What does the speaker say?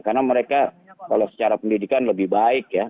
karena mereka kalau secara pendidikan lebih baik ya